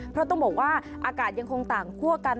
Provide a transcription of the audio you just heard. เพราะต้องบอกว่าอากาศยังคงต่างคั่วกัน